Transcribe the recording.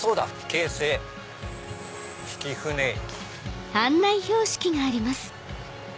「京成曳舟駅」。